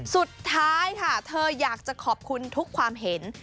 สุดท้ายค่ะเธออยากจะขอบคุณทุกความเห็น